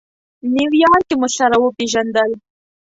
نیویارک کې مو سره وپېژندل.